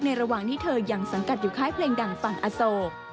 ระหว่างที่เธอยังสังกัดอยู่ค่ายเพลงดังฝั่งอโศก